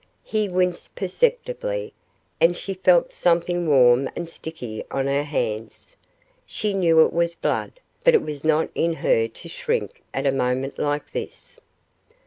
He winced perceptibly and she felt something warm and sticky on her hands. She knew it was blood, but it was not in her to shrink at a moment like this.